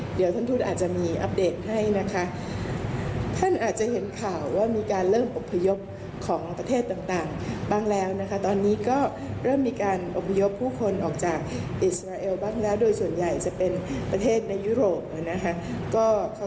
เดี๋ยวท่านทูตอาจจะมีอัปเดตให้นะคะท่านอาจจะเห็นข่าวว่ามีการเริ่มอบพยพของประเทศต่างบ้างแล้วนะคะตอนนี้ก็เริ่มมีการอบพยพผู้คนออกจากอิสราเอลบ้างแล้วโดยส่วนใหญ่จะเป็นประเทศในยุโรปนะคะ